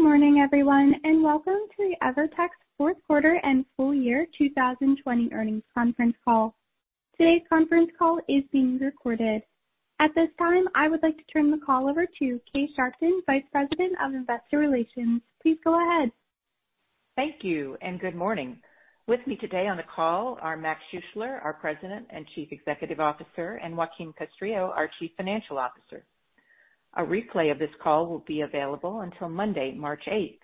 Good morning everyone, and welcome to the Evertec fourth quarter and full year 2020 earnings conference call. Today's conference call is being recorded. At this time, I would like to turn the call over to Kay Sharpton, Vice President of Investor Relations. Please go ahead. Thank you. Good morning. With me today on the call are Morgan Schuessler, our President and Chief Executive Officer, and Joaquin Castrillo, our Chief Financial Officer. A replay of this call will be available until Monday, March 8th.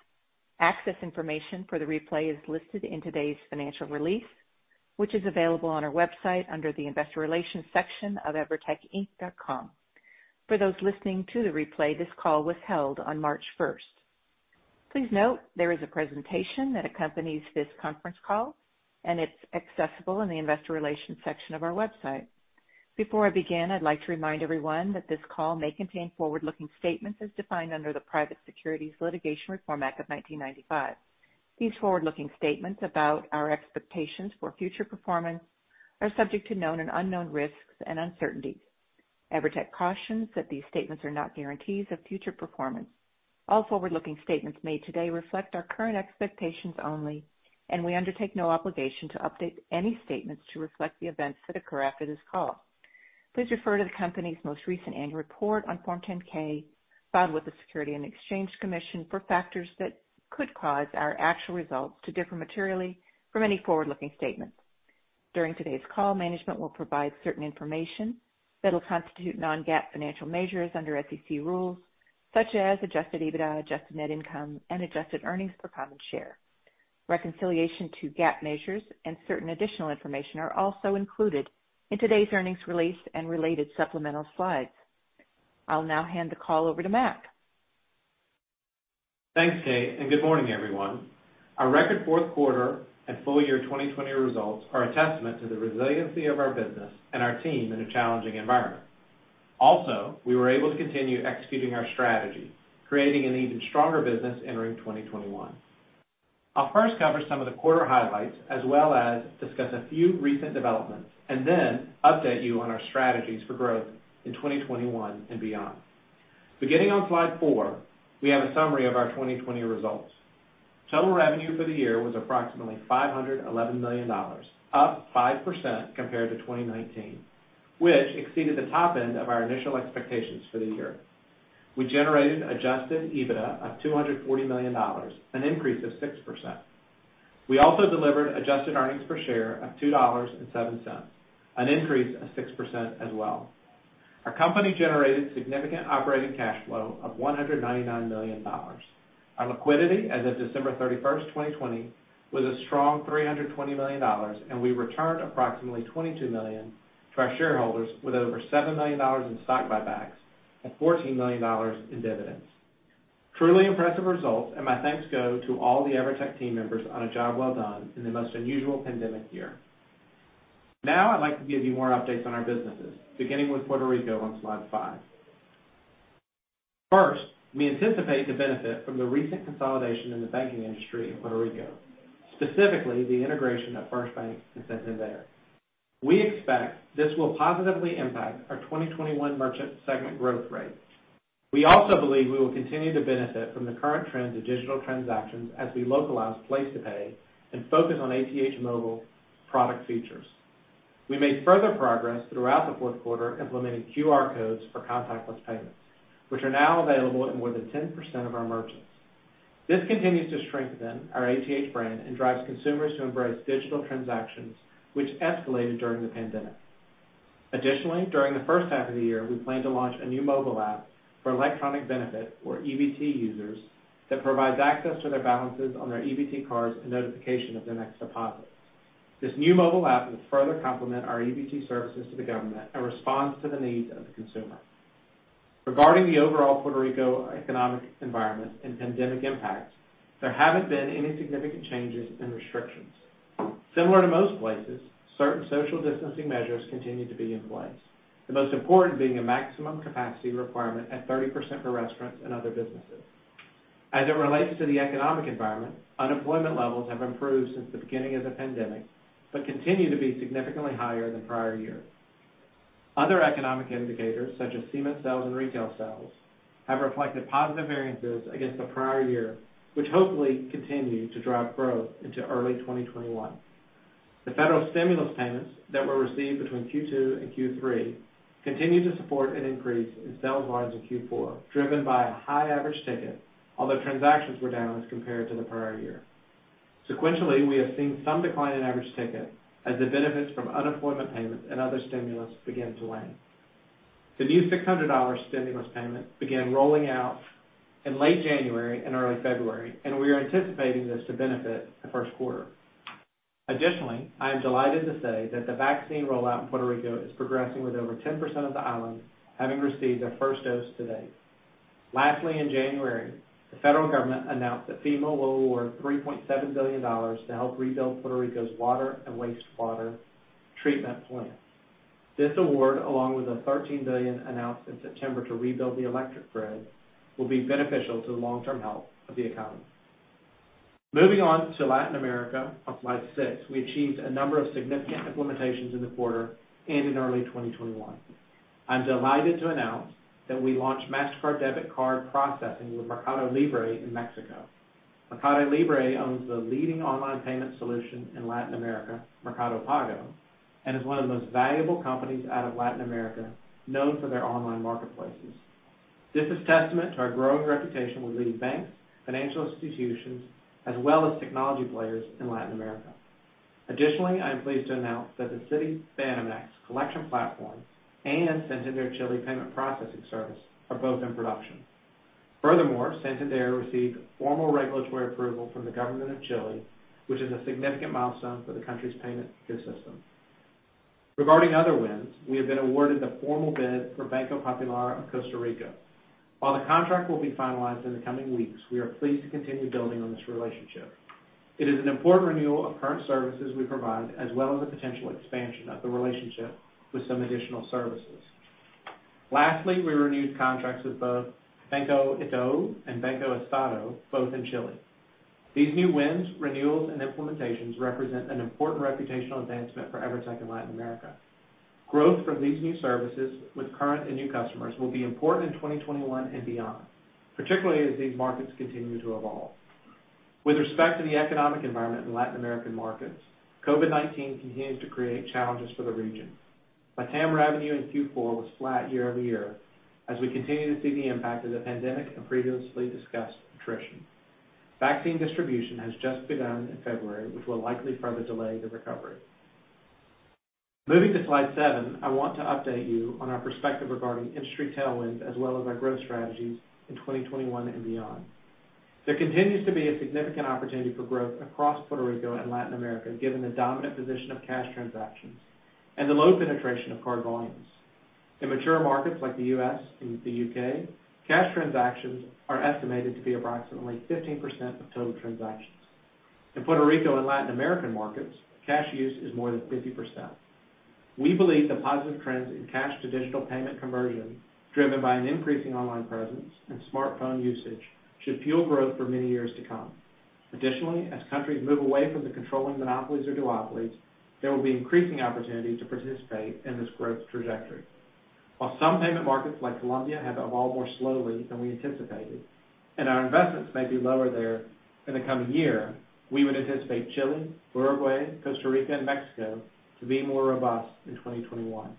Access information for the replay is listed in today's financial release, which is available on our website under the investor relations section of evertecinc.com. For those listening to the replay, this call was held on March 1st. Please note there is a presentation that accompanies this conference call. It's accessible in the investor relations section of our website. Before I begin, I'd like to remind everyone that this call may contain forward-looking statements as defined under the Private Securities Litigation Reform Act of 1995. These forward-looking statements about our expectations for future performance are subject to known and unknown risks and uncertainties. Evertec cautions that these statements are not guarantees of future performance. All forward-looking statements made today reflect our current expectations only, and we undertake no obligation to update any statements to reflect the events that occur after this call. Please refer to the company's most recent annual report on Form 10-K filed with the Securities and Exchange Commission for factors that could cause our actual results to differ materially from any forward-looking statements. During today's call, management will provide certain information that will constitute non-GAAP financial measures under SEC rules such as adjusted EBITDA, adjusted net income, and adjusted earnings per common share. Reconciliation to GAAP measures and certain additional information are also included in today's earnings release and related supplemental slides. I'll now hand the call over to Mac. Thanks, Kay, good morning everyone. Our record fourth quarter and full year 2020 results are a testament to the resiliency of our business and our team in a challenging environment. We were able to continue executing our strategy, creating an even stronger business entering 2021. I'll first cover some of the quarter highlights as well as discuss a few recent developments, and then update you on our strategies for growth in 2021 and beyond. Beginning on slide four, we have a summary of our 2020 results. Total revenue for the year was approximately $511 million, up 5% compared to 2019, which exceeded the top end of our initial expectations for the year. We generated adjusted EBITDA of $240 million, an increase of 6%. We delivered adjusted earnings per share of $2.07, an increase of 6% as well. Our company generated significant operating cash flow of $199 million. Our liquidity as of December 31st, 2020, was a strong $320 million, and we returned approximately $22 million to our shareholders with over $7 million in stock buybacks and $14 million in dividends. Truly impressive results, and my thanks go to all the Evertec team members on a job well done in the most unusual pandemic year. Now I'd like to give you more updates on our businesses, beginning with Puerto Rico on slide five. First, we anticipate the benefit from the recent consolidation in the banking industry in Puerto Rico, specifically the integration of FirstBank and Santander. We expect this will positively impact our 2021 merchant segment growth rate. We also believe we will continue to benefit from the current trend to digital transactions as we localize PlacetoPay and focus on ATH Móvil product features. We made further progress throughout the fourth quarter implementing QR codes for contactless payments, which are now available in more than 10% of our merchants. This continues to strengthen our ATH brand and drives consumers to embrace digital transactions, which escalated during the pandemic. Additionally, during the first half of the year, we plan to launch a new mobile app for electronic benefit or EBT users that provides access to their balances on their EBT cards and notification of their next deposit. This new mobile app will further complement our EBT services to the government and responds to the needs of the consumer. Regarding the overall Puerto Rico economic environment and pandemic impact, there haven't been any significant changes in restrictions. Similar to most places, certain social distancing measures continue to be in place, the most important being a maximum capacity requirement at 30% for restaurants and other businesses. As it relates to the economic environment, unemployment levels have improved since the beginning of the pandemic, but continue to be significantly higher than prior years. Other economic indicators, such as cement sales and retail sales, have reflected positive variances against the prior year, which hopefully continue to drive growth into early 2021. The federal stimulus payments that were received between Q2 and Q3 continue to support an increase in sales volumes in Q4, driven by a high average ticket, although transactions were down as compared to the prior year. Sequentially, we have seen some decline in average ticket as the benefits from unemployment payments and other stimulus begin to wane. The new $600 stimulus payment began rolling out in late January and early February, and we are anticipating this to benefit the first quarter. Additionally, I am delighted to say that the vaccine rollout in Puerto Rico is progressing with over 10% of the island having received their first dose to date. Lastly, in January, the federal government announced that FEMA will award $3.7 billion to help rebuild Puerto Rico's water and wastewater treatment plants. This award, along with the $13 billion announced in September to rebuild the electric grid, will be beneficial to the long-term health of the economy. Moving on to Latin America on slide six, we achieved a number of significant implementations in the quarter and in early 2021. I'm delighted to announce that we launched Mastercard debit card processing with Mercado Libre in Mexico. Mercado Libre owns the leading online payment solution in Latin America, Mercado Pago, and is one of the most valuable companies out of Latin America, known for their online marketplaces. This is testament to our growing reputation with leading banks, financial institutions, as well as technology players in Latin America. Additionally, I am pleased to announce that the Citibanamex collection platform and GetNet Chile payment processing service are both in production. Furthermore, GetNet received formal regulatory approval from the government of Chile, which is a significant milestone for the country's payment ecosystem. Regarding other wins, we have been awarded the formal bid for Banco Popular in Costa Rica. While the contract will be finalized in the coming weeks, we are pleased to continue building on this relationship. It is an important renewal of current services we provide, as well as the potential expansion of the relationship with some additional services. Lastly, we renewed contracts with both Banco Itaú and Banco Estado, both in Chile. These new wins, renewals, and implementations represent an important reputational advancement for Evertec in Latin America. Growth from these new services with current and new customers will be important in 2021 and beyond, particularly as these markets continue to evolve. With respect to the economic environment in Latin American markets, COVID-19 continues to create challenges for the region. LATAM revenue in Q4 was flat year-over-year as we continue to see the impact of the pandemic and previously discussed attrition. Vaccine distribution has just begun in February, which will likely further delay the recovery. Moving to slide seven, I want to update you on our perspective regarding industry tailwinds, as well as our growth strategies in 2021 and beyond. There continues to be a significant opportunity for growth across Puerto Rico and Latin America, given the dominant position of cash transactions and the low penetration of card volumes. In mature markets like the U.S. and the U.K., cash transactions are estimated to be approximately 15% of total transactions. In Puerto Rico and Latin American markets, cash use is more than 50%. We believe the positive trends in cash-to-digital payment conversion driven by an increasing online presence and smartphone usage should fuel growth for many years to come. Additionally, as countries move away from the controlling monopolies or duopolies, there will be increasing opportunity to participate in this growth trajectory. While some payment markets like Colombia have evolved more slowly than we anticipated, and our investments may be lower there in the coming year, we would anticipate Chile, Uruguay, Costa Rica, and Mexico to be more robust in 2021.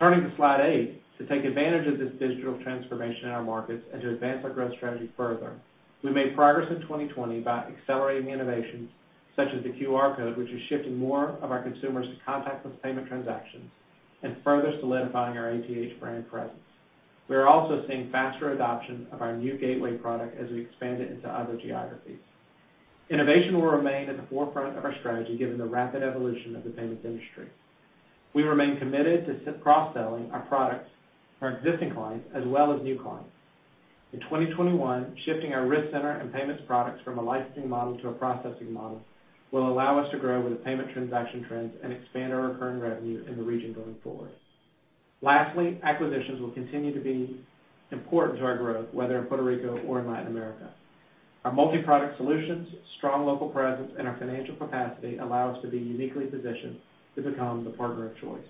Turning to slide eight, to take advantage of this digital transformation in our markets and to advance our growth strategy further, we made progress in 2020 by accelerating innovations such as the QR code, which is shifting more of our consumers to contactless payment transactions and further solidifying our ATH brand presence. We are also seeing faster adoption of our new gateway product as we expand it into other geographies. Innovation will remain at the forefront of our strategy given the rapid evolution of the payments industry. We remain committed to cross-selling our products to our existing clients as well as new clients. In 2021, shifting our risk center and payments products from a licensing model to a processing model will allow us to grow with the payment transaction trends and expand our recurring revenue in the region going forward. Lastly, acquisitions will continue to be important to our growth, whether in Puerto Rico or in Latin America. Our multi-product solutions, strong local presence, and our financial capacity allow us to be uniquely positioned to become the partner of choice.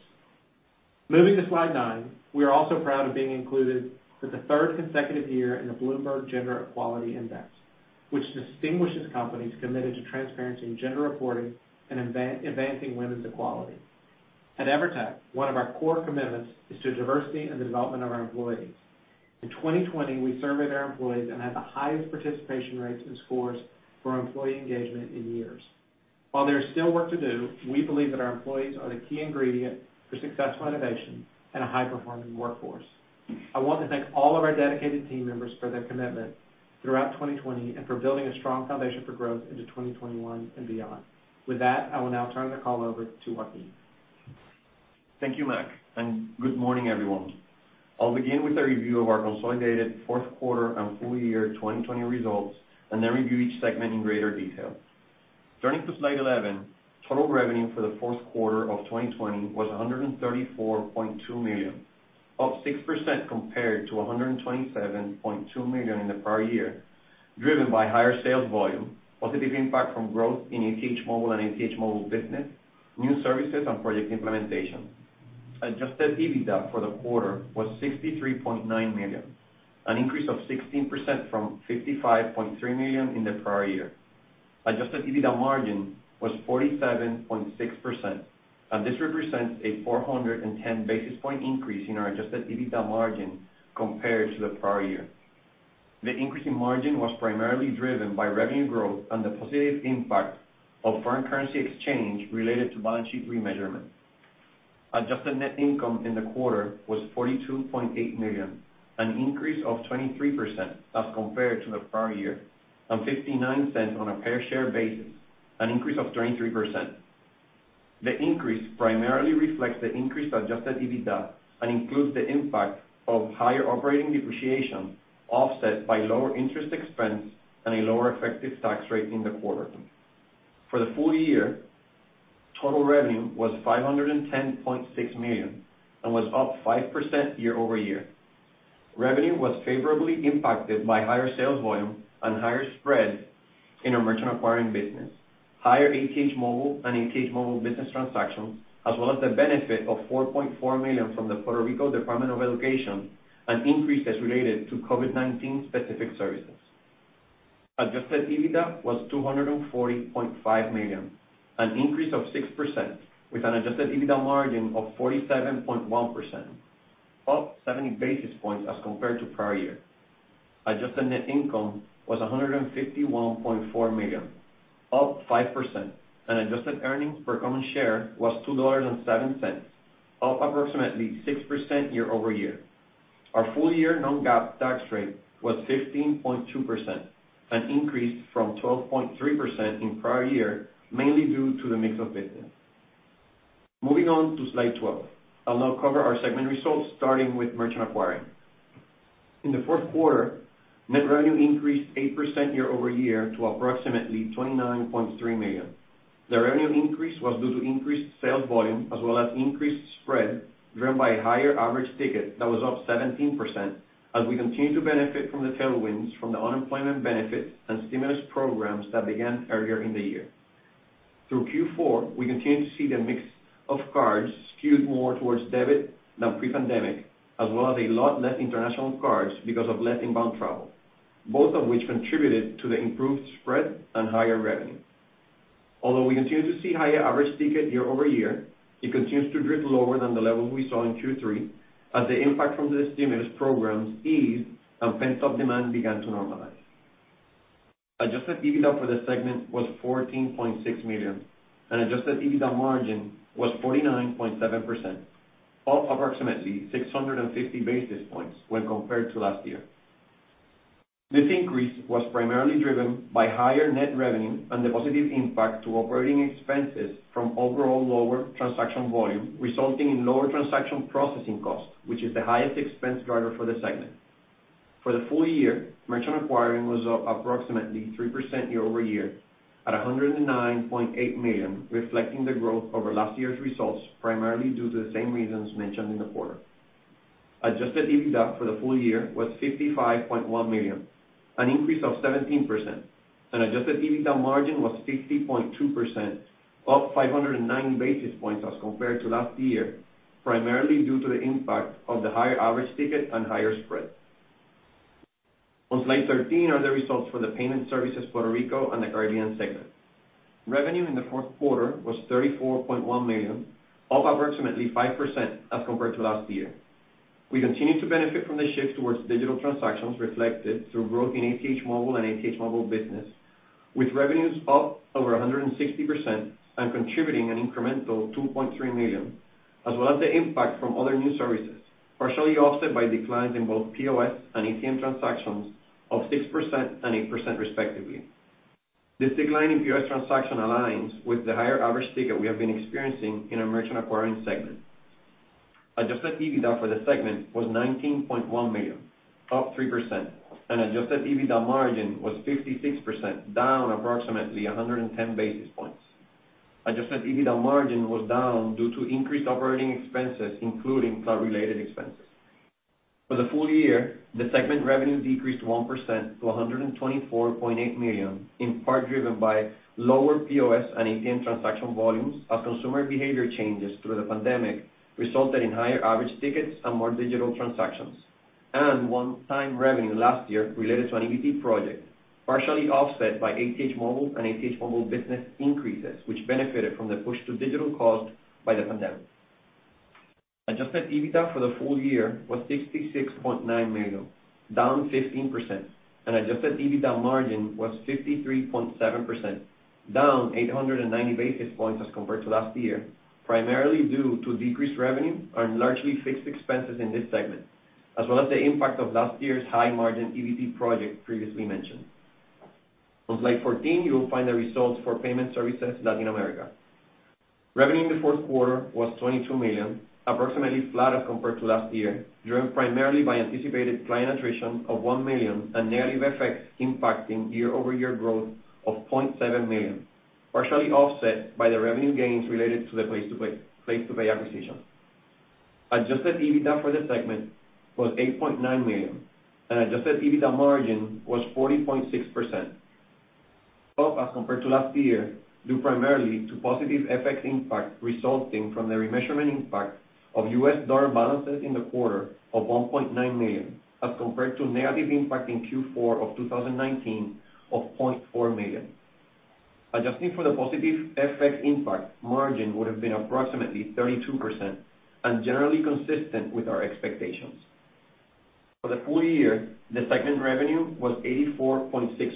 Moving to slide nine, we are also proud of being included for the third consecutive year in the Bloomberg Gender-Equality Index, which distinguishes companies committed to transparency in gender reporting and advancing women's equality. At Evertec, one of our core commitments is to diversity and the development of our employees. In 2020, we surveyed our employees and had the highest participation rates and scores for our employee engagement in years. While there is still work to do, we believe that our employees are the key ingredient for successful innovation and a high-performing workforce. I want to thank all of our dedicated team members for their commitment throughout 2020 and for building a strong foundation for growth into 2021 and beyond. With that, I will now turn the call over to Joaquin. Thank you, Morgan, and good morning, everyone. I'll begin with a review of our consolidated fourth quarter and full year 2020 results and then review each segment in greater detail. Turning to slide 11, total revenue for the fourth quarter of 2020 was $134.2 million, up 6% compared to $127.2 million in the prior year, driven by higher sales volume, positive impact from growth in ATH Móvil and ATH Móvil Business, new services, and project implementation. Adjusted EBITDA for the quarter was $63.9 million, an increase of 16% from $55.3 million in the prior year. Adjusted EBITDA margin was 47.6%. This represents a 410 basis point increase in our adjusted EBITDA margin compared to the prior year. The increase in margin was primarily driven by revenue growth and the positive impact of foreign currency exchange related to balance sheet remeasurement. Adjusted net income in the quarter was $42.8 million, an increase of 23% as compared to the prior year, and $0.59 on a per share basis, an increase of 23%. The increase primarily reflects the increased adjusted EBITDA and includes the impact of higher operating depreciation offset by lower interest expense and a lower effective tax rate in the quarter. For the full year, total revenue was $510.6 million and was up 5% year-over-year. Revenue was favorably impacted by higher sales volume and higher spread in our merchant acquiring business, higher ATH Móvil and ATH Móvil Business transactions, as well as the benefit of $4.4 million from the Puerto Rico Department of Education and increases related to COVID-19 specific services. Adjusted EBITDA was $240.5 million, an increase of 6%, with an adjusted EBITDA margin of 47.1%, up 70 basis points as compared to prior year. Adjusted net income was $151.4 million, up 5%, and adjusted earnings per common share was $2.07, up approximately 6% year-over-year. Our full-year non-GAAP tax rate was 15.2%, an increase from 12.3% in prior year, mainly due to the mix of business. Moving on to slide 12. I'll now cover our segment results, starting with merchant acquiring. In the fourth quarter, net revenue increased 8% year-over-year to approximately $29.3 million. The revenue increase was due to increased sales volume as well as increased spread, driven by a higher average ticket that was up 17% as we continue to benefit from the tailwinds from the unemployment benefits and stimulus programs that began earlier in the year. Through Q4, we continued to see the mix of cards skewed more towards debit than pre-pandemic, as well as a lot less international cards because of less inbound travel, both of which contributed to the improved spread and higher revenue. Although we continue to see higher average ticket year-over-year, it continues to drift lower than the levels we saw in Q3 as the impact from the stimulus programs eased and pent-up demand began to normalize. Adjusted EBITDA for the segment was $14.6 million and adjusted EBITDA margin was 49.7%, up approximately 650 basis points when compared to last year. This increase was primarily driven by higher net revenue and the positive impact to operating expenses from overall lower transaction volume, resulting in lower transaction processing costs, which is the highest expense driver for the segment. For the full year, merchant acquiring was up approximately 3% year-over-year at $109.8 million, reflecting the growth over last year's results primarily due to the same reasons mentioned in the quarter. Adjusted EBITDA for the full year was $55.1 million, an increase of 17%, and adjusted EBITDA margin was 50.2%, up 590 basis points as compared to last year, primarily due to the impact of the higher average ticket and higher spread. On slide 13 are the results for the payment services Puerto Rico and the Caribbean segment. Revenue in the fourth quarter was $34.1 million, up approximately 5% as compared to last year. We continued to benefit from the shift towards digital transactions reflected through growth in ATH Móvil and ATH Móvil Business, with revenues up over 160% and contributing an incremental $2.3 million, as well as the impact from other new services, partially offset by declines in both POS and ATM transactions of 6% and 8% respectively. This decline in POS transaction aligns with the higher average ticket we have been experiencing in our merchant acquiring segment. Adjusted EBITDA for the segment was $19.1 million, up 3%, and adjusted EBITDA margin was 56%, down approximately 110 basis points. Adjusted EBITDA margin was down due to increased operating expenses, including cloud-related expenses. For the full year, the segment revenue decreased 1% to $124.8 million, in part driven by lower POS and ATM transaction volumes as consumer behavior changes through the pandemic resulted in higher average tickets and more digital transactions, and one-time revenue last year related to an EBT project, partially offset by ATH Móvil and ATH Móvil Business increases, which benefited from the push to digital caused by the pandemic. Adjusted EBITDA for the full year was $66.9 million, down 15%, and adjusted EBITDA margin was 53.7%, down 890 basis points as compared to last year, primarily due to decreased revenue and largely fixed expenses in this segment, as well as the impact of last year's high-margin EBT project previously mentioned. On slide 14, you will find the results for Payment Services Latin America. Revenue in the fourth quarter was $22 million, approximately flat as compared to last year, driven primarily by anticipated client attrition of $1 million and negative effects impacting year-over-year growth of $0.7 million, partially offset by the revenue gains related to the PlacetoPay acquisition. Adjusted EBITDA for the segment was $8.9 million and adjusted EBITDA margin was 40.6%, up as compared to last year, due primarily to positive FX impact resulting from the remeasurement impact of US dollar balances in the quarter of $1.9 million as compared to negative impact in Q4 of 2019 of $0.4 million. Adjusting for the positive FX impact, margin would have been approximately 32% and generally consistent with our expectations. For the full year, the segment revenue was $84.6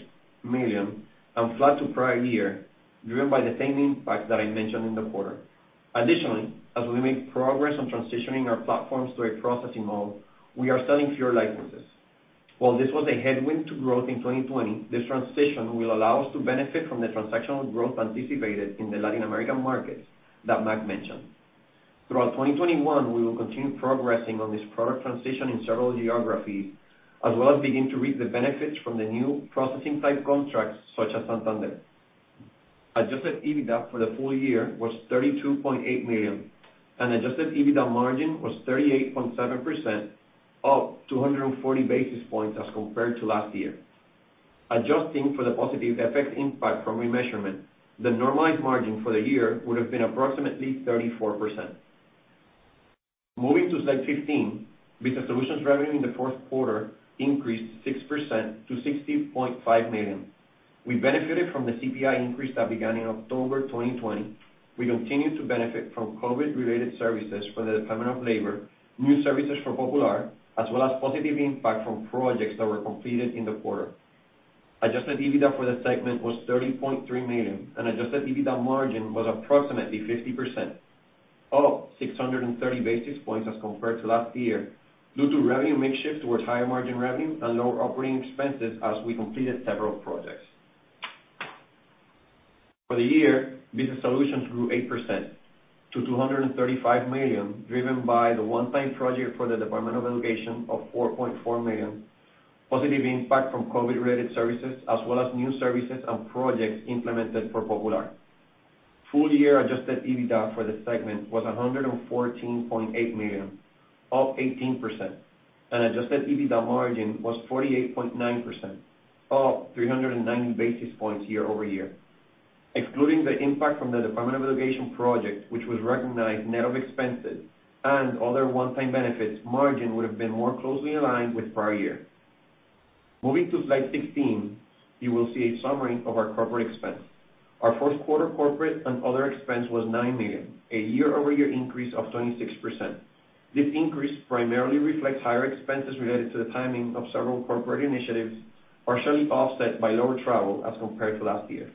million and flat to prior year, driven by the same impacts that I mentioned in the quarter. Additionally, as we make progress on transitioning our platforms to a processing model, we are selling fewer licenses. While this was a headwind to growth in 2020, this transition will allow us to benefit from the transactional growth anticipated in the Latin American markets that Mac mentioned. Throughout 2021, we will continue progressing on this product transition in several geographies, as well as begin to reap the benefits from the new processing type contracts, such as Santander. Adjusted EBITDA for the full year was $32.8 million, and adjusted EBITDA margin was 38.7%, up 240 basis points as compared to last year. Adjusting for the positive FX impact from remeasurement, the normalized margin for the year would've been approximately 34%. Moving to slide 15, Business Solutions revenue in the fourth quarter increased 6% to $60.5 million. We benefited from the CPI increase that began in October 2020. We continue to benefit from COVID-related services for the Department of Labor, new services for Popular, as well as positive impact from projects that were completed in the quarter. Adjusted EBITDA for the segment was $30.3 million, and adjusted EBITDA margin was approximately 50%, up 630 basis points as compared to last year due to revenue mix shift towards higher margin revenue and lower operating expenses as we completed several projects. For the year, Business Solutions grew 8% to $235 million, driven by the one-time project for the Department of Education of $4.4 million, positive impact from COVID-related services, as well as new services and projects implemented for Popular. Full year adjusted EBITDA for the segment was $114.8 million, up 18%, and adjusted EBITDA margin was 48.9%, up 390 basis points year-over-year. Excluding the impact from the Department of Education project, which was recognized net of expenses and other one-time benefits, margin would've been more closely aligned with prior year. Moving to slide 16, you will see a summary of our corporate expense. Our first quarter corporate and other expense was $9 million, a year-over-year increase of 26%. This increase primarily reflects higher expenses related to the timing of several corporate initiatives, partially offset by lower travel as compared to last year.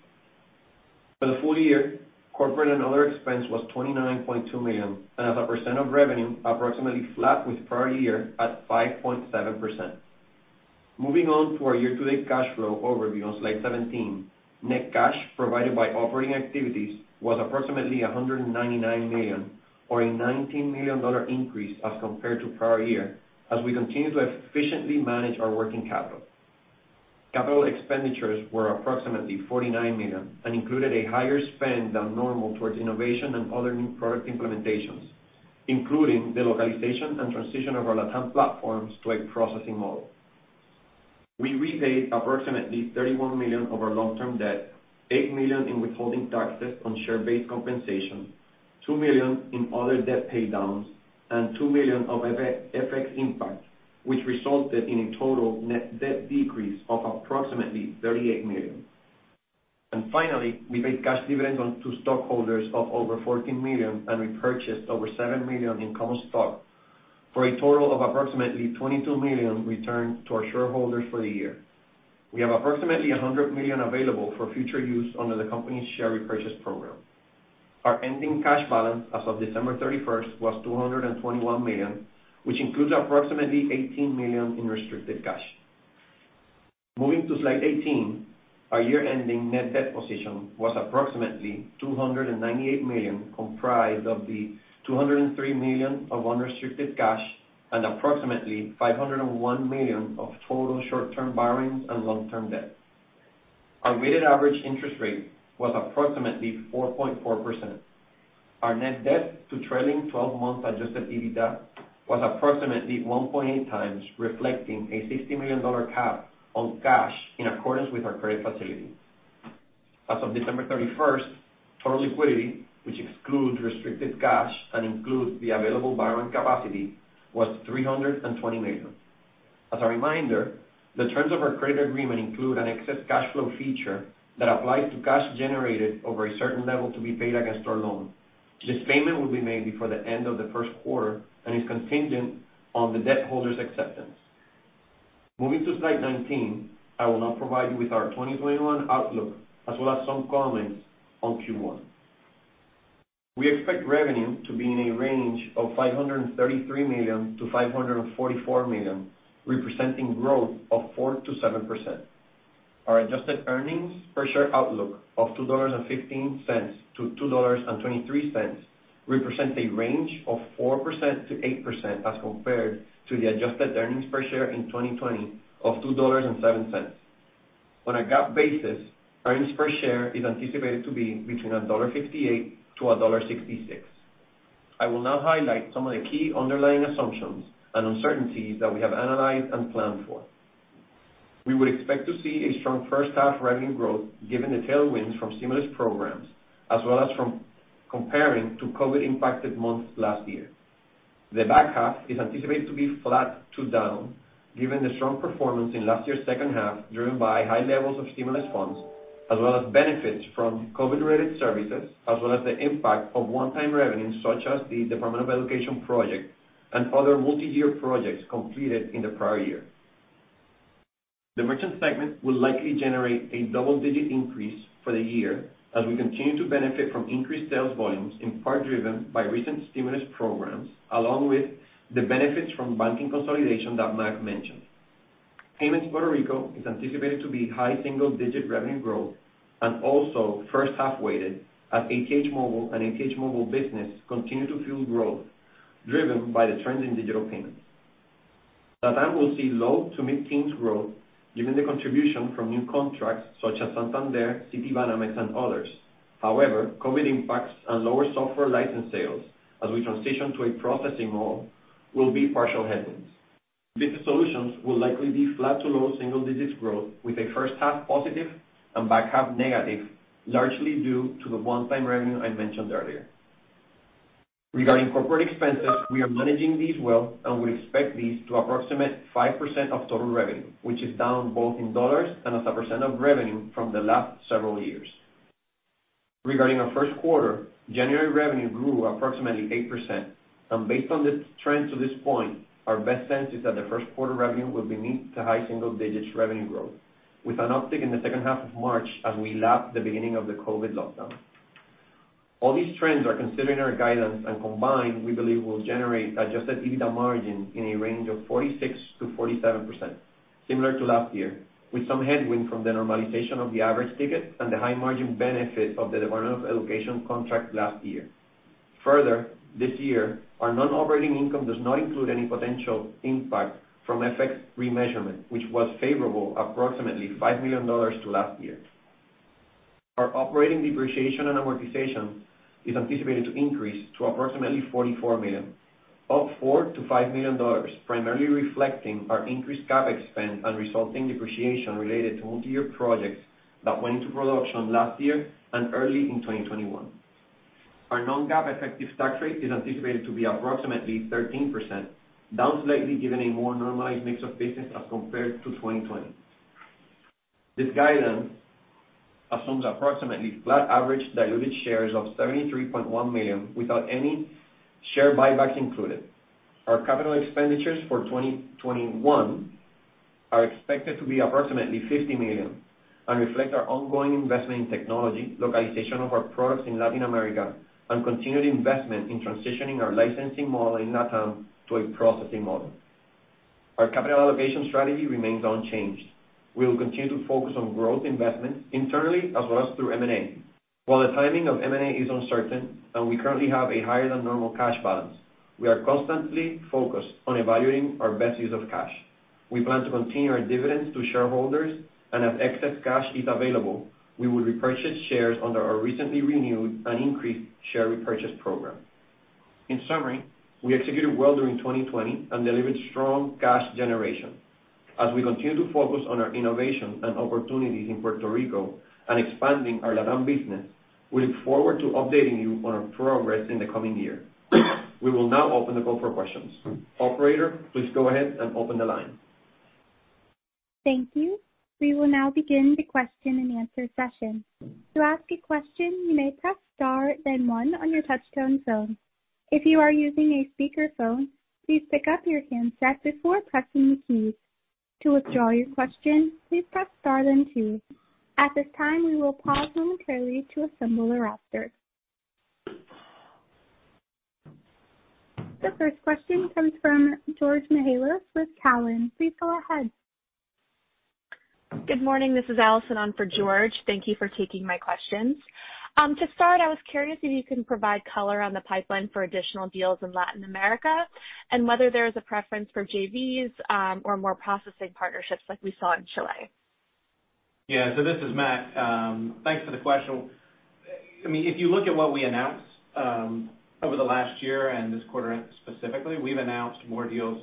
For the full year, corporate and other expense was $29.2 million, and as a percentage of revenue, approximately flat with prior year at 5.7%. Moving on to our year-to-date cash flow overview on slide 17. Net cash provided by operating activities was approximately $199 million, or a $19 million increase as compared to prior year, as we continue to efficiently manage our working capital. Capital expenditures were approximately $49 million and included a higher spend than normal towards innovation and other new product implementations, including the localization and transition of our LATAM platforms to a processing model. We repaid approximately $31 million of our long-term debt, $8 million in withholding taxes on share-based compensation, $2 million in other debt paydowns, and $2 million of FX impact, which resulted in a total net debt decrease of approximately $38 million. Finally, we paid cash dividends to stockholders of over $14 million and repurchased over $7 million in common stock for a total of approximately $22 million returned to our shareholders for the year. We have approximately $100 million available for future use under the company's share repurchase program. Our ending cash balance as of December 31st was $221 million, which includes approximately $18 million in restricted cash. Moving to slide 18, our year-ending net debt position was approximately $298 million, comprised of the $203 million of unrestricted cash and approximately $501 million of total short-term borrowings and long-term debt. Our weighted average interest rate was approximately 4.4%. Our net debt to trailing 12-month adjusted EBITDA was approximately 1.8 times, reflecting a $60 million cap on cash in accordance with our credit facility. As of December 31st, total liquidity, which excludes restricted cash and includes the available borrowing capacity, was $320 million. As a reminder, the terms of our credit agreement include an excess cash flow feature that applies to cash generated over a certain level to be paid against our loan. This payment will be made before the end of the first quarter and is contingent on the debt holders' acceptance. Moving to slide 19, I will now provide you with our 2021 outlook, as well as some comments on Q1. We expect revenue to be in a range of $533 million-$544 million, representing growth of 4%-7%. Our adjusted earnings per share outlook of $2.15-$2.23 represents a range of 4%-8% as compared to the adjusted earnings per share in 2020 of $2.07. On a GAAP basis, earnings per share is anticipated to be between $1.58 to $1.66. I will now highlight some of the key underlying assumptions and uncertainties that we have analyzed and planned for. We would expect to see a strong first half revenue growth, given the tailwinds from stimulus programs, as well as from comparing to COVID-impacted months last year. The back half is anticipated to be flat to down, given the strong performance in last year's second half, driven by high levels of stimulus funds, as well as benefits from COVID-related services, as well as the impact of one-time revenues, such as the Department of Education project and other multi-year projects completed in the prior year. The Merchant segment will likely generate a double-digit increase for the year as we continue to benefit from increased sales volumes, in part driven by recent stimulus programs, along with the benefits from banking consolidation that Mac mentioned. Payments Puerto Rico is anticipated to be high single-digit revenue growth and also first-half weighted as ATH Móvil and ATH Móvil Business continue to fuel growth driven by the trends in digital payments. LATAM will see low to mid-teens growth given the contribution from new contracts such as Santander, Citibanamex, and others. However, COVID impacts and lower software license sales as we transition to a processing model will be partial headwinds. Business solutions will likely be flat to low single digits growth with a first half positive and back half negative, largely due to the one-time revenue I mentioned earlier. Regarding corporate expenses, we are managing these well, and we expect these to approximate 5% of total revenue, which is down both in dollars and as a percent of revenue from the last several years. Regarding our first quarter, January revenue grew approximately 8%, and based on the trends to this point, our best sense is that the first quarter revenue will be mid to high single digits revenue growth, with an uptick in the second half of March as we lap the beginning of the COVID lockdown. All these trends are considered in our guidance and combined, we believe will generate adjusted EBITDA margin in a range of 46%-47%, similar to last year, with some headwind from the normalization of the average ticket and the high margin benefit of the Department of Education contract last year. This year, our non-operating income does not include any potential impact from FX remeasurement, which was favorable approximately $5 million to last year. Our operating depreciation and amortization is anticipated to increase to approximately $44 million, up $4 million-$5 million, primarily reflecting our increased CapEx spend and resulting depreciation related to multi-year projects that went into production last year and early in 2021. Our non-GAAP effective tax rate is anticipated to be approximately 13%, down slightly given a more normalized mix of business as compared to 2020. This guidance assumes approximately flat average diluted shares of 73.1 million without any share buybacks included. Our capital expenditures for 2021 are expected to be approximately $50 million and reflect our ongoing investment in technology, localization of our products in Latin America, and continued investment in transitioning our licensing model in LATAM to a processing model. Our capital allocation strategy remains unchanged. We will continue to focus on growth investment internally as well as through M&A. While the timing of M&A is uncertain and we currently have a higher than normal cash balance, we are constantly focused on evaluating our best use of cash. We plan to continue our dividends to shareholders, and if excess cash is available, we will repurchase shares under our recently renewed and increased share repurchase program. In summary, we executed well during 2020 and delivered strong cash generation. As we continue to focus on our innovation and opportunities in Puerto Rico and expanding our LATAM business, we look forward to updating you on our progress in the coming year. We will now open the call for questions. Operator, please go ahead and open the line. The first question comes from George Mihalos with Cowen. Please go ahead. Good morning. This is Allison on for George. Thank you for taking my questions. To start, I was curious if you can provide color on the pipeline for additional deals in Latin America and whether there is a preference for JVs or more processing partnerships like we saw in Chile. Yeah. This is Morgan. Thanks for the question. If you look at what we announced over the last year and this quarter specifically, we've announced more deals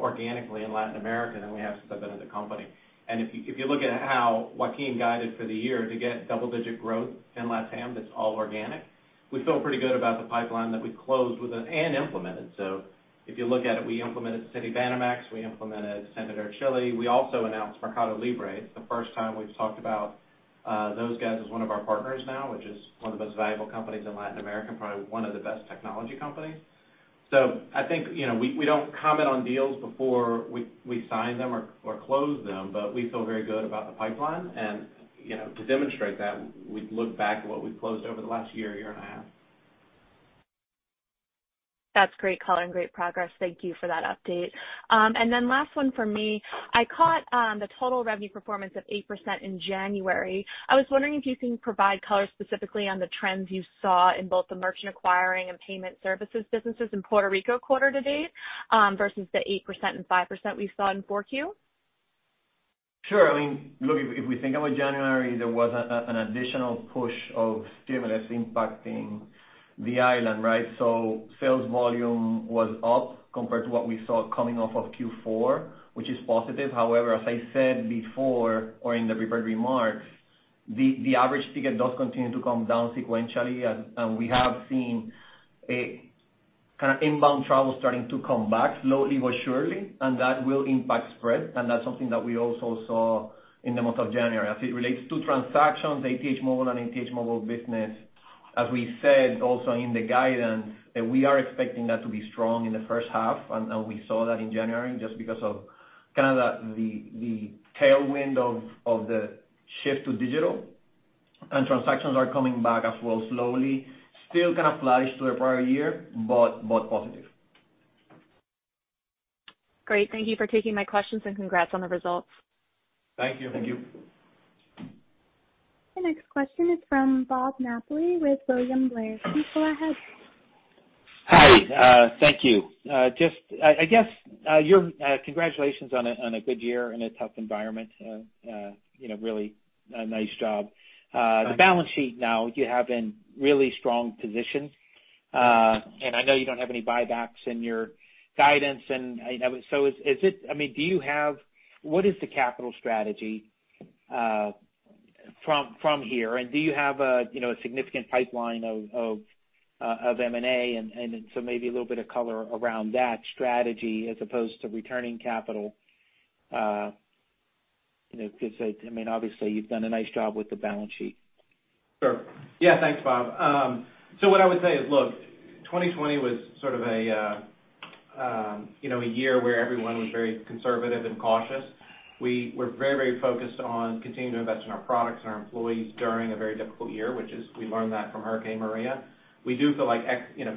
organically in Latin America than we have since I've been at the company. If you look at how Joaquin guided for the year to get double-digit growth in LATAM, that's all organic. We feel pretty good about the pipeline that we closed and implemented. If you look at it, we implemented Citibanamex, we implemented Santander Chile. We also announced Mercado Libre. It's the first time we've talked about those guys as one of our partners now, which is one of the most valuable companies in Latin America, and probably one of the best technology companies. I think we don't comment on deals before we sign them or close them, but we feel very good about the pipeline. To demonstrate that, we look back at what we've closed over the last year and a half. That's great color and great progress. Thank you for that update. Last one for me. I caught the total revenue performance of 8% in January. I was wondering if you can provide color specifically on the trends you saw in both the merchant acquiring and payment services businesses in Puerto Rico quarter to date versus the 8% and 5% we saw in 4Q. Sure. Look, if we think about January, there was an additional push of stimulus impacting the island, right? Sales volume was up compared to what we saw coming off of Q4, which is positive. However, as I said before or in the prepared remarks, the average ticket does continue to come down sequentially, and we have seen inbound travel starting to come back slowly but surely, and that will impact spread. That's something that we also saw in the month of January. As it relates to transactions, ATH Móvil and ATH Móvil Business, as we said also in the guidance, we are expecting that to be strong in the first half, and we saw that in January just because of the tailwind of the shift to digital. Transactions are coming back as well, slowly. Still kind of flat-ish to the prior year, but positive. Great. Thank you for taking my questions. Congrats on the results. Thank you. Thank you. The next question is from Robert Napoli with William Blair. Please go ahead. Hi. Thank you. Congratulations on a good year in a tough environment. Really a nice job. Thank you. The balance sheet now, you have in really strong position. I know you don't have any buybacks in your guidance. What is the capital strategy from here, and do you have a significant pipeline of M&A? Maybe a little bit of color around that strategy as opposed to returning capital. Because obviously you've done a nice job with the balance sheet. Sure. Yeah. Thanks, Bob. What I would say is, look, 2020 was sort of a year where everyone was very conservative and cautious. We're very focused on continuing to invest in our products and our employees during a very difficult year, which is, we learned that from Hurricane Maria. We do feel like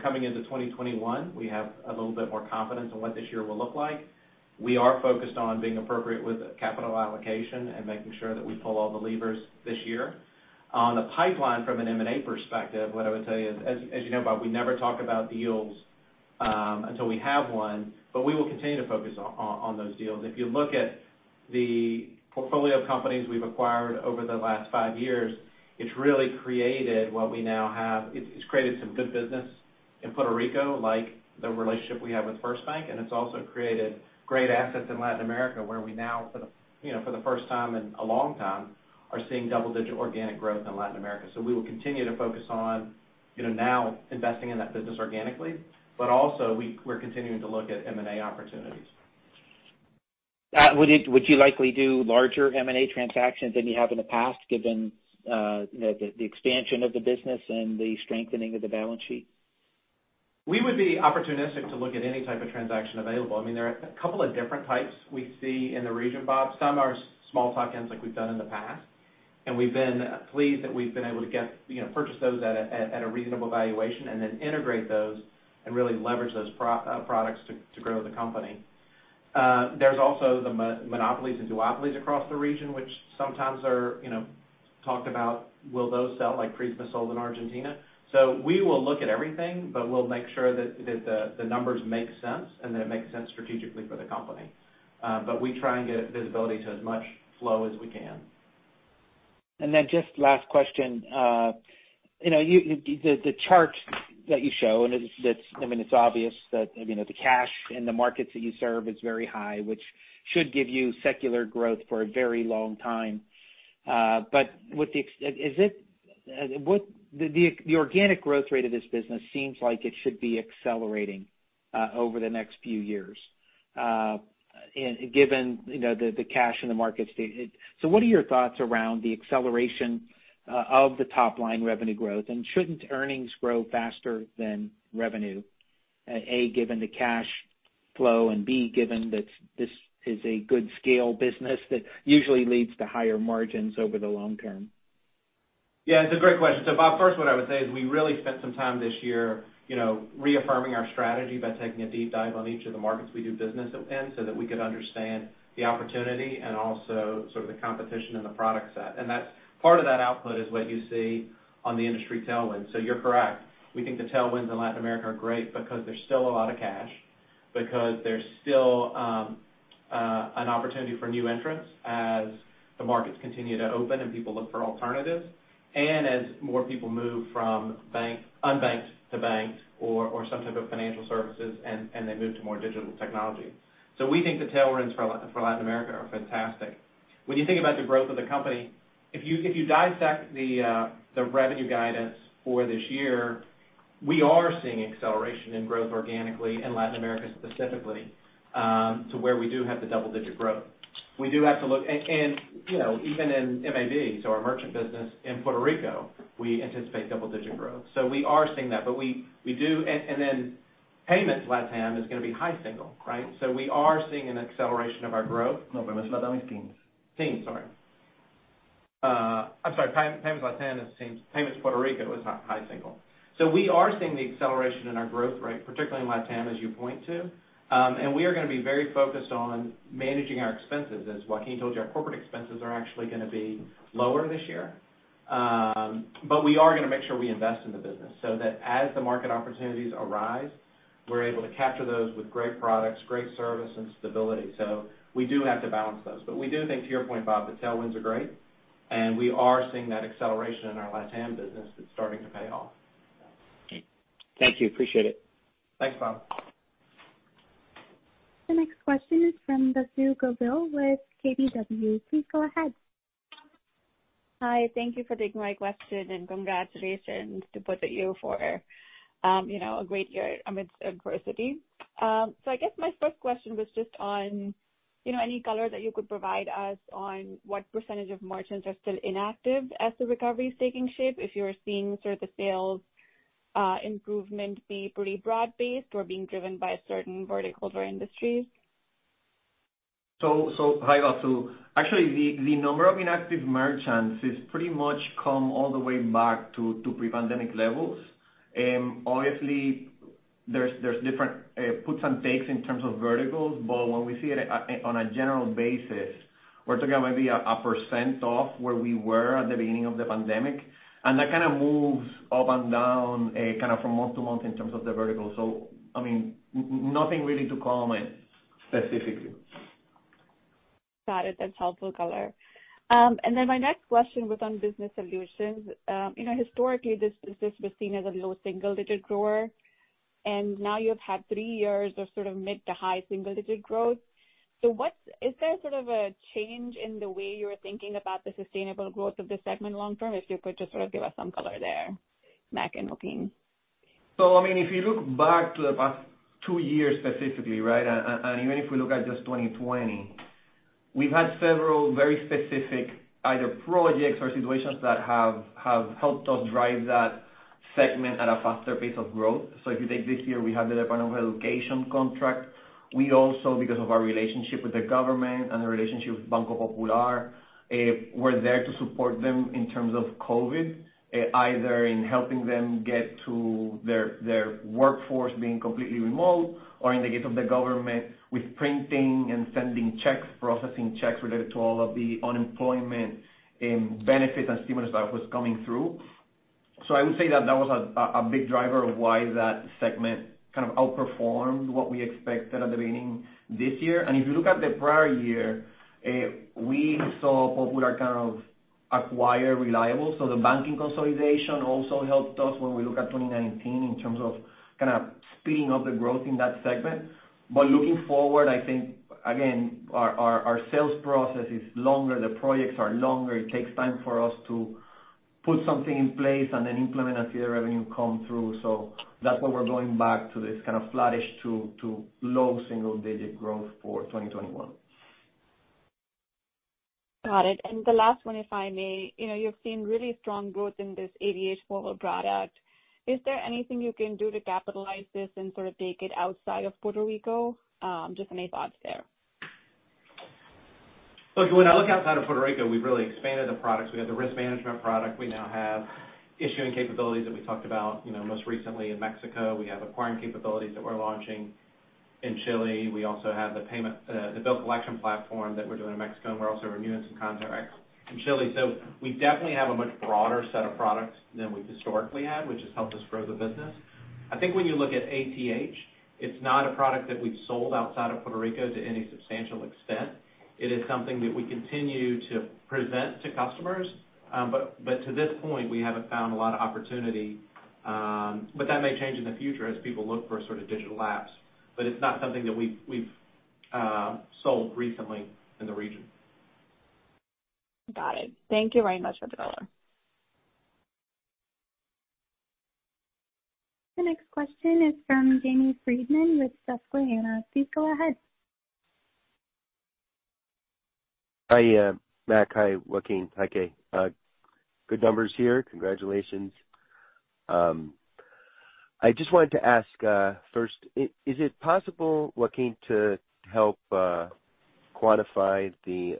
coming into 2021, we have a little bit more confidence on what this year will look like. We are focused on being appropriate with capital allocation and making sure that we pull all the levers this year. On the pipeline from an M&A perspective, what I would tell you is, as you know Bob, we never talk about deals until we have one, but we will continue to focus on those deals. If you look at the portfolio of companies we've acquired over the last five years, it's created some good business in Puerto Rico, like the relationship we have with FirstBank, and it's also created great assets in Latin America, where we now, for the first time in a long time, are seeing double-digit organic growth in Latin America. We will continue to focus on now investing in that business organically. Also, we're continuing to look at M&A opportunities. Would you likely do larger M&A transactions than you have in the past, given the expansion of the business and the strengthening of the balance sheet? We would be opportunistic to look at any type of transaction available. There are a couple of different types we see in the region, Bob. Some are small tuck-ins like we've done in the past, and we've been pleased that we've been able to purchase those at a reasonable valuation and then integrate those and really leverage those products to grow the company. There's also the monopolies and duopolies across the region, which sometimes are talked about. Will those sell like Prisma sold in Argentina? We will look at everything, but we'll make sure that the numbers make sense and that it makes sense strategically for the company. We try and get visibility to as much flow as we can. Just last question. The charts that you show, and it's obvious that the cash in the markets that you serve is very high, which should give you secular growth for a very long time. The organic growth rate of this business seems like it should be accelerating over the next few years. Given the cash in the markets. What are your thoughts around the acceleration of the top-line revenue growth, and shouldn't earnings grow faster than revenue? A, given the cash flow, and B, given that this is a good scale business that usually leads to higher margins over the long term. Yeah, it's a great question. Bob, first, what I would say is we really spent some time this year reaffirming our strategy by taking a deep dive on each of the markets we do business in so that we could understand the opportunity and also sort of the competition and the product set. Part of that output is what you see on the industry tailwind. You're correct. We think the tailwinds in Latin America are great because there's still a lot of cash, because there's still an opportunity for new entrants as the markets continue to open and people look for alternatives, and as more people move from unbanked to banked or some type of financial services, and they move to more digital technology. We think the tailwinds for Latin America are fantastic. When you think about the growth of the company, if you dissect the revenue guidance for this year, we are seeing acceleration in growth organically in Latin America specifically, to where we do have the double-digit growth. Even in MAB, our merchant business in Puerto Rico, we anticipate double-digit growth. We are seeing that. Then payments LatAm is going to be high single. We are seeing an acceleration of our growth. No, payments LatAm is teens. Teens, sorry. I'm sorry. Payments LatAm is teens. Payments Puerto Rico is high single. We are seeing the acceleration in our growth rate, particularly in LatAm, as you point to. We are going to be very focused on managing our expenses. As Joaquin told you, our corporate expenses are actually going to be lower this year. We are going to make sure we invest in the business so that as the market opportunities arise, we're able to capture those with great products, great service, and stability. We do have to balance those. We do think to your point, Bob, the tailwinds are great, and we are seeing that acceleration in our LatAm business that's starting to pay off. Thank you. Appreciate it. Thanks, Bob. The next question is from Vasu Govil with KBW. Please go ahead. Hi. Thank you for taking my question and congratulations to both of you for a great year amidst adversity. I guess my first question was just on any color that you could provide us on what percentage of merchants are still inactive as the recovery is taking shape, if you're seeing sort of the sales improvement be pretty broad-based or being driven by certain verticals or industries? Hi Vasu. Actually, the number of inactive merchants has pretty much come all the way back to pre-pandemic levels. Obviously, there's different puts and takes in terms of verticals, but when we see it on a general basis, we're talking maybe 1% off where we were at the beginning of the pandemic, and that kind of moves up and down kind of from month to month in terms of the vertical. Nothing really to comment specifically. Got it. That's helpful color. My next question was on Business Solutions. Historically, this was seen as a low single-digit grower, and now you've had three years of sort of mid to high single-digit growth. Is there sort of a change in the way you're thinking about the sustainable growth of the segment long term? If you could just sort of give us some color there, Mac and Joaquin. If you look back to the past two years specifically. Even if we look at just 2020, we've had several very specific either projects or situations that have helped us drive that segment at a faster pace of growth. If you take this year, we have the Department of Education contract. We also, because of our relationship with the government and the relationship with Banco Popular, were there to support them in terms of COVID, either in helping them get to their workforce being completely remote or in the case of the government, with printing and sending checks, processing checks related to all of the unemployment benefits and stimulus that was coming through. I would say that that was a big driver of why that segment kind of outperformed what we expected at the beginning this year. If you look at the prior year, we saw Popular kind of acquire Reliable. The banking consolidation also helped us when we look at 2019 in terms of kind of speeding up the growth in that segment. Looking forward, I think, again, our sales process is longer, the projects are longer. It takes time for us to put something in place and then implement and see the revenue come through. That's why we're going back to this kind of flattish to low single-digit growth for 2021. Got it. The last one, if I may. You've seen really strong growth in this ATH Móvil product. Is there anything you can do to capitalize this and sort of take it outside of Puerto Rico? Just any thoughts there. When I look outside of Puerto Rico, we've really expanded the products. We have the risk management product. We now have issuing capabilities that we talked about most recently in Mexico. We have acquiring capabilities that we're launching in Chile. We also have the bill collection platform that we're doing in Mexico, and we're also renewing some contracts in Chile. We definitely have a much broader set of products than we historically had, which has helped us grow the business. I think when you look at ATH, it's not a product that we've sold outside of Puerto Rico to any substantial extent. It is something that we continue to present to customers. To this point, we haven't found a lot of opportunity. That may change in the future as people look for sort of digital apps. It's not something that we've sold recently in the region. Got it. Thank you very much for the color. The next question is from Jamie Friedman with Susquehanna. Please go ahead. Hi Mac hi Joaquin. Hi Kay. Good numbers here. Congratulations. I just wanted to ask, first, is it possible, Joaquin, to help quantify the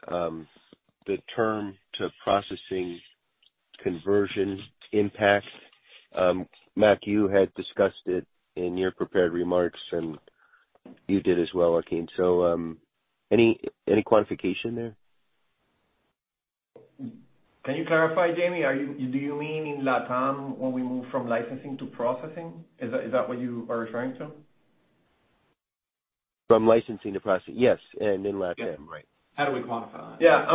term-to-processing conversion impact? Mac, you had discussed it in your prepared remarks, and you did as well, Joaquin. Any quantification there? Can you clarify, Jamie? Do you mean in LATAM when we moved from licensing to processing? Is that what you are referring to? From licensing to processing, yes, and in LATAM. How do we quantify that? Yeah.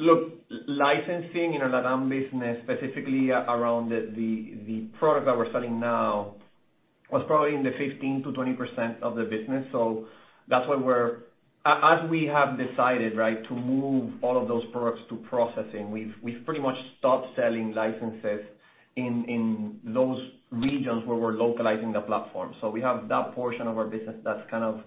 Look, licensing in our LATAM business, specifically around the product that we're selling now, was probably in the 15%-20% of the business. As we have decided to move all of those products to processing, we've pretty much stopped selling licenses in those regions where we're localizing the platform. We have that portion of our business that's kind of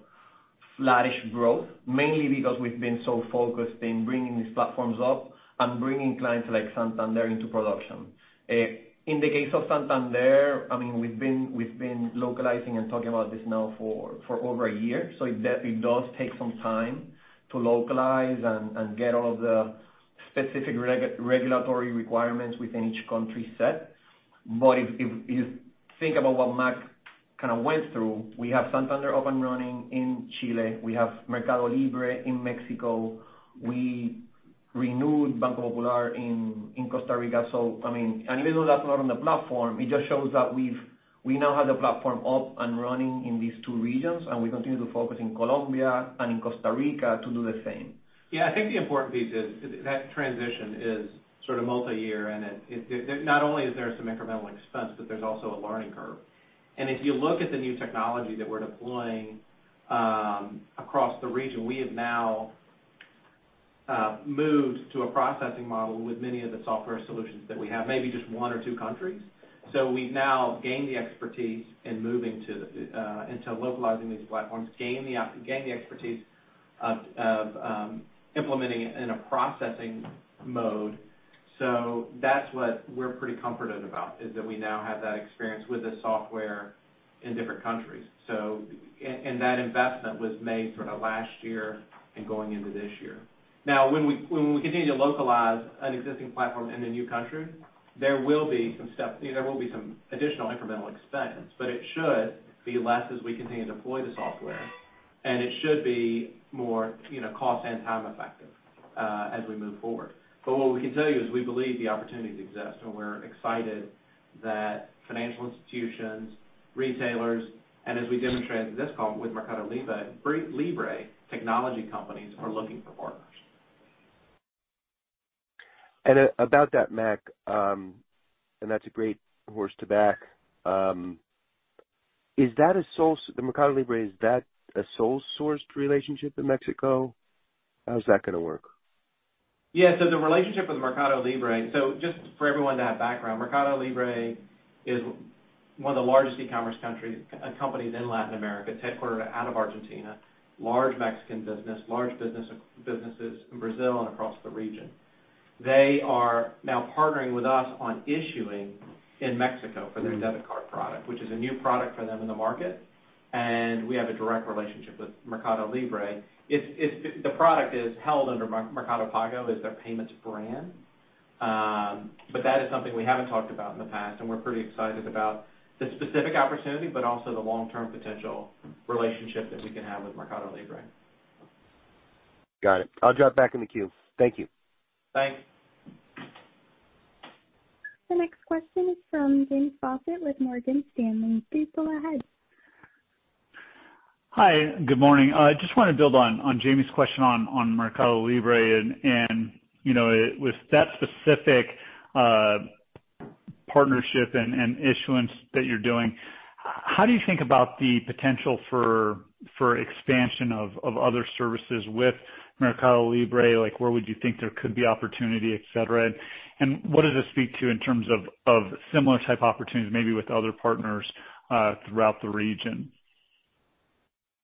flattish growth, mainly because we've been so focused in bringing these platforms up and bringing clients like Santander into production. In the case of Santander, we've been localizing and talking about this now for over a year. It does take some time to localize and get all of the specific regulatory requirements within each country set. If you think about what Mac kind of went through, we have Santander up and running in Chile. We have Mercado Libre in Mexico. We renewed Banco Popular in Costa Rica. Even though that's not on the platform, it just shows that we now have the platform up and running in these two regions, and we continue to focus in Colombia and in Costa Rica to do the same. Yeah. I think the important piece is that transition is sort of multi-year, and not only is there some incremental expense, but there's also a learning curve. If you look at the new technology that we're deploying across the region, we have now moved to a processing model with many of the software solutions that we have. Maybe just one or two countries. We've now gained the expertise in localizing these platforms, gained the expertise implementing it in a processing mode. That's what we're pretty comforted about, is that we now have that experience with the software in different countries. That investment was made sort of last year and going into this year. Now, when we continue to localize an existing platform in a new country, there will be some additional incremental expense, but it should be less as we continue to deploy the software, and it should be more cost and time-effective as we move forward. What we can tell you is we believe the opportunities exist, and we're excited that financial institutions, retailers, and as we demonstrated in this call with Mercado Libre, technology companies are looking for partners. About that, Mac, and that's a great horse to back. The Mercado Libre, is that a sole-sourced relationship in Mexico? How's that going to work? Yeah. The relationship with Mercado Libre. Just for everyone to have background, Mercado Libre is one of the largest e-commerce companies in Latin America, headquartered out of Argentina, large Mexican business, large businesses in Brazil and across the region. They are now partnering with us on issuing in Mexico for their debit card product, which is a new product for them in the market, and we have a direct relationship with Mercado Libre. The product is held under Mercado Pago, is their payments brand. That is something we haven't talked about in the past, and we're pretty excited about the specific opportunity, but also the long-term potential relationship that we can have with Mercado Libre. Got it. I'll drop back in the queue. Thank you. Thanks. The next question is from James Faucette with Morgan Stanley. Please go ahead. Hi. Good morning. I just want to build on Jamie's question on Mercado Libre. With that specific partnership and issuance that you're doing, how do you think about the potential for expansion of other services with Mercado Libre? Where would you think there could be opportunity, et cetera? What does this speak to in terms of similar type opportunities, maybe with other partners throughout the region?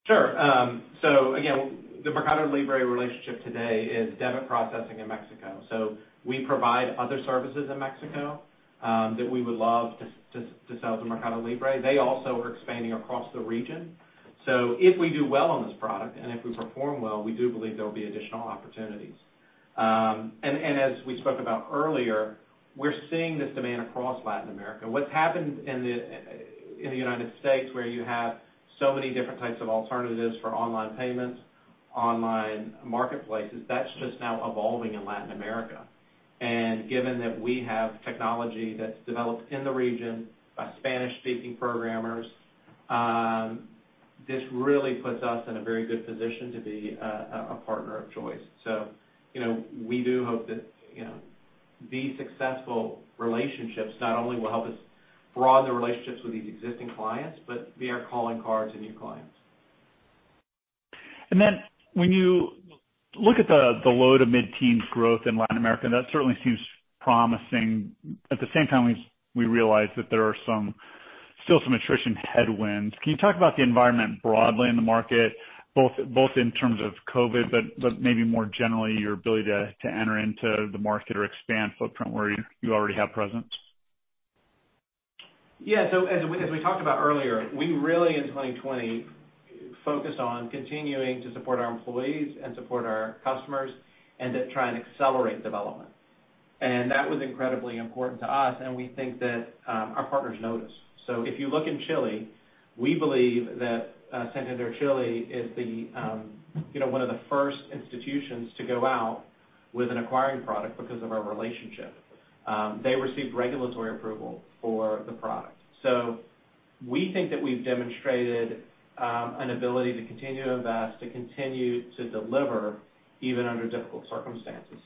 Sure. Again, the Mercado Libre relationship today is debit processing in Mexico. We provide other services in Mexico that we would love to sell to Mercado Libre. They also are expanding across the region. If we do well on this product and if we perform well, we do believe there'll be additional opportunities. As we spoke about earlier, we're seeing this demand across Latin America. What's happened in the United States, where you have so many different types of alternatives for online payments, online marketplaces, that's just now evolving in Latin America. Given that we have technology that's developed in the region by Spanish-speaking programmers, this really puts us in a very good position to be a partner of choice. We do hope that these successful relationships not only will help us broaden the relationships with these existing clients, but be our calling cards to new clients. When you look at the low-to-mid-teens growth in Latin America, that certainly seems promising. At the same time, we realize that there are still some attrition headwinds. Can you talk about the environment broadly in the market, both in terms of COVID, but maybe more generally, your ability to enter into the market or expand footprint where you already have presence? As we talked about earlier, we really, in 2020, focused on continuing to support our employees and support our customers and to try and accelerate development. That was incredibly important to us, and we think that our partners noticed. If you look in Chile, we believe that Santander Chile is one of the first institutions to go out with an acquiring product because of our relationship. They received regulatory approval for the product. We think that we've demonstrated an ability to continue to invest, to continue to deliver, even under difficult circumstances.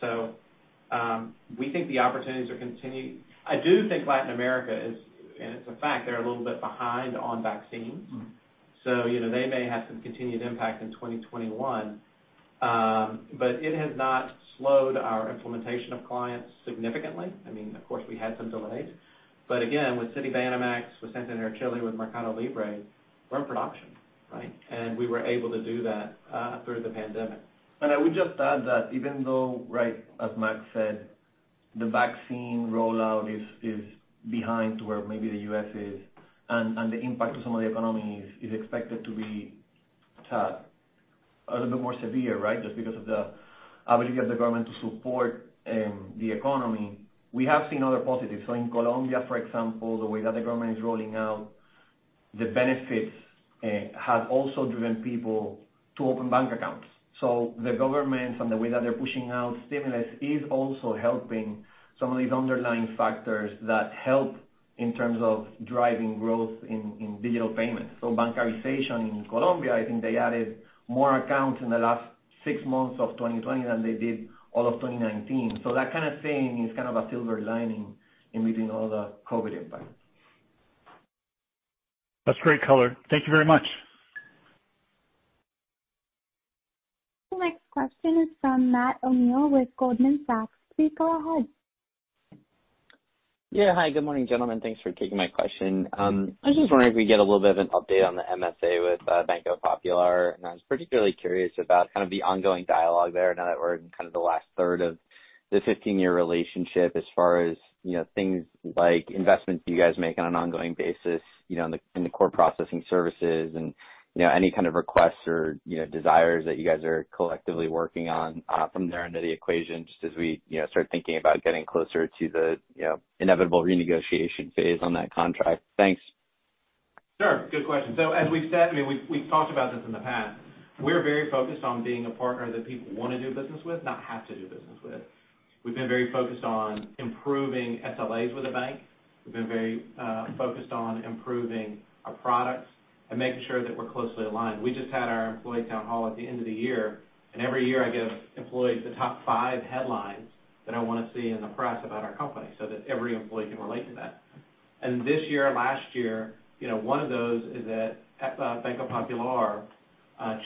We think the opportunities are continuing. I do think Latin America is, and it's a fact, they're a little bit behind on vaccines. They may have some continued impact in 2021. It has not slowed our implementation of clients significantly. Of course, we had some delays, but again, with Citibanamex, with Santander Chile, with Mercado Libre, we're in production, right? We were able to do that through the pandemic. I would just add that even though, as Mac said, the vaccine rollout is behind to where maybe the U.S. is and the impact to some of the economy is expected to be a little bit more severe, just because of the ability of the government to support the economy, we have seen other positives. In Colombia, for example, the way that the government is rolling out the benefits has also driven people to open bank accounts. The government and the way that they're pushing out stimulus is also helping some of these underlying factors that help in terms of driving growth in digital payments. Bancarization in Colombia, I think they added more accounts in the last six months of 2020 than they did all of 2019. That kind of thing is kind of a silver lining in between all the COVID impacts. That's great color. Thank you very much. The next question is from Matt O'Neill with Goldman Sachs. Please go ahead. Hi. Good morning, gentlemen. Thanks for taking my question. I was just wondering if we can get a little bit of an update on the MSA with Banco Popular. I was particularly curious about kind of the ongoing dialogue there now that we're in kind of the last third of the 15-year relationship as far as things like investments you guys make on an ongoing basis in the core processing services and any kind of requests or desires that you guys are collectively working on from their end of the equation, just as we start thinking about getting closer to the inevitable renegotiation phase on that contract. Thanks. Sure. Good question. As we've said, we've talked about this in the past. We're very focused on being a partner that people want to do business with, not have to do business with. We've been very focused on improving SLAs with the bank. We've been very focused on improving our products and making sure that we're closely aligned. We just had our employee town hall at the end of the year, every year I give employees the top five headlines that I want to see in the press about our company so that every employee can relate to that. This year, last year, one of those is that Banco Popular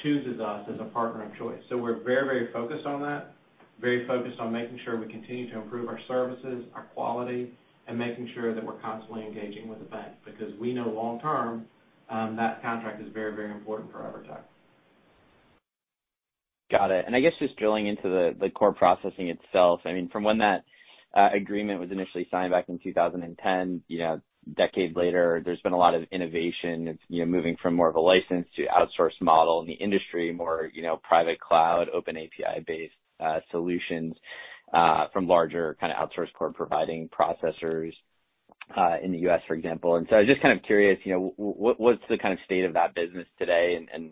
chooses us as a partner of choice. We're very focused on that, very focused on making sure we continue to improve our services, our quality, and making sure that we're constantly engaging with the bank because we know long term, that contract is very important for Evertec. Got it. I guess just drilling into the core processing itself, from when that agreement was initially signed back in 2010, a decade later, there's been a lot of innovation. It's moving from more of a license to outsource model in the industry, more private cloud, open API-based solutions from larger kind of outsource core providing processors in the U.S., for example. I was just kind of curious, what's the kind of state of that business today, and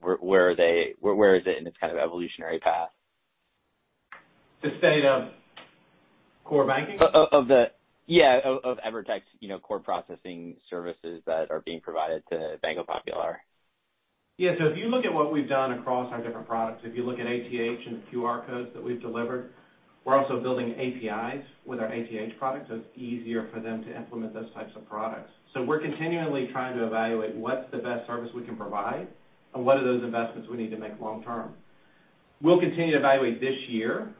where is it in its kind of evolutionary path? The state of core banking? Yeah. Of Evertec's core processing services that are being provided to Banco Popular. Yeah. If you look at what we've done across our different products, if you look at ATH and the QR codes that we've delivered, we're also building APIs with our ATH product, so it's easier for them to implement those types of products. We're continually trying to evaluate what's the best service we can provide and what are those investments we need to make long term. We'll continue to evaluate this year.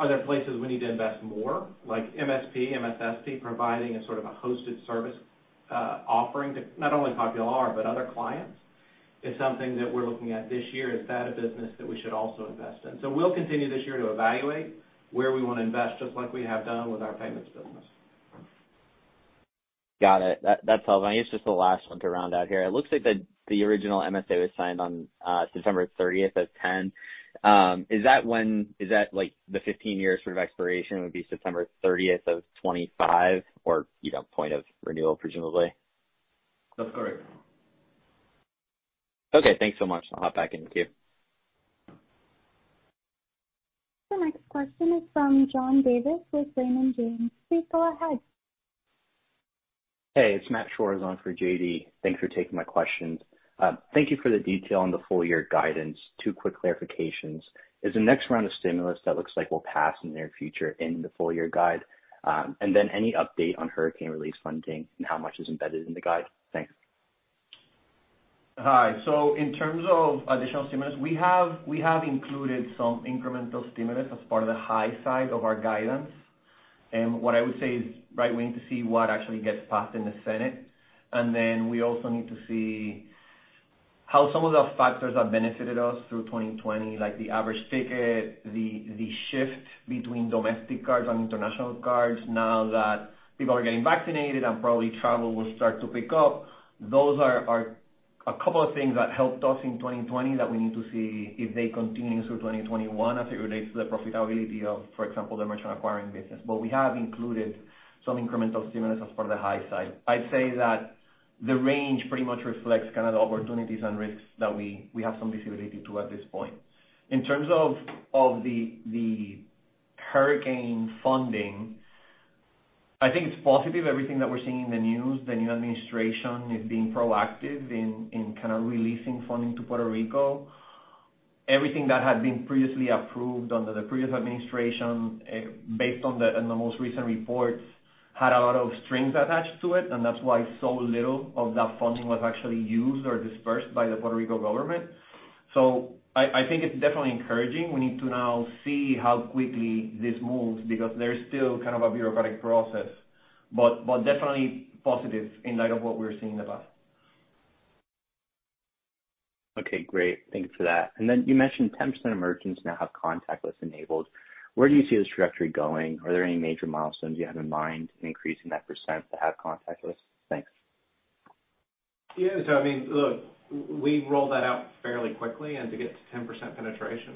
Are there places we need to invest more? Like MSP, MSSP providing a sort of a hosted service offering to not only Popular but other clients is something that we're looking at this year. Is that a business that we should also invest in? We'll continue this year to evaluate where we want to invest, just like we have done with our payments business. Got it. That's helpful. I guess just the last one to round out here. It looks like the original MSA was signed on September 30th of 2010. Is that the 15 years sort of expiration would be September 30th of 2025, or point of renewal, presumably? That's correct. Okay, thanks so much. I'll hop back in queue. The next question is from John Davis with Raymond James. Please go ahead. Hey, it's Matthew Shore for JD. Thanks for taking my questions. Thank you for the detail on the full-year guidance. Two quick clarifications. Is the next round of stimulus that looks like will pass in the near future in the full-year guide? Any update on hurricane release funding and how much is embedded in the guide? Thanks. Hi. In terms of additional stimulus, we have included some incremental stimulus as part of the high side of our guidance. What I would say is right, we need to see what actually gets passed in the Senate, and then we also need to see how some of those factors have benefited us through 2020, like the average ticket, the shift between domestic cards and international cards now that people are getting vaccinated and probably travel will start to pick up. Those are a couple of things that helped us in 2020 that we need to see if they continue through 2021 as it relates to the profitability of, for example, the merchant acquiring business. We have included some incremental stimulus as part of the high side. I'd say that the range pretty much reflects kind of the opportunities and risks that we have some visibility to at this point. In terms of the hurricane funding, I think it's positive, everything that we're seeing in the news. The new administration is being proactive in kind of releasing funding to Puerto Rico. Everything that had been previously approved under the previous administration, based on the most recent reports, had a lot of strings attached to it, and that's why so little of that funding was actually used or disbursed by the Puerto Rico government. I think it's definitely encouraging. We need to now see how quickly this moves because there's still kind of a bureaucratic process. Definitely positive in light of what we're seeing in the past. Okay, great. Thank you for that. Then you mentioned 10% of merchants now have contactless enabled. Where do you see this trajectory going? Are there any major milestones you have in mind in increasing that percent to have contactless? Thanks. Yeah. I mean, look, we rolled that out fairly quickly and to get to 10% penetration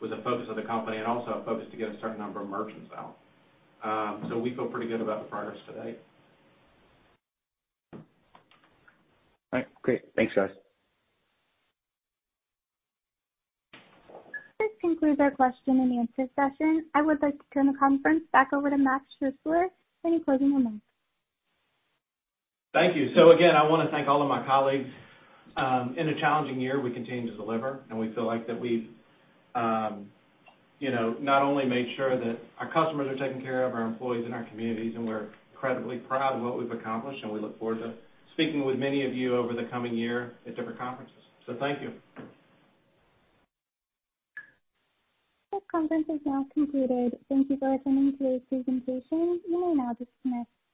was a focus of the company and also a focus to get a certain number of merchants out. We feel pretty good about the progress to date. All right, great. Thanks, guys. This concludes our question and answer session. I would like to turn the conference back over to Morgan Schuessler for any closing remarks. Thank you. Again, I want to thank all of my colleagues. In a challenging year, we continue to deliver, and we feel like that we've not only made sure that our customers are taken care of, our employees and our communities, and we're incredibly proud of what we've accomplished, and we look forward to speaking with many of you over the coming year at different conferences. Thank you. This conference is now concluded. Thank you for attending today's presentation. You may now dismiss.